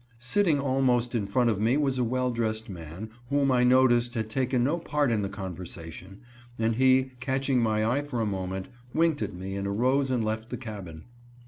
Sitting almost in front of me was a well dressed man, whom, I noticed, had taken no part in the conversation, and he, catching my eye for a moment, winked at me and arose and left the cabin.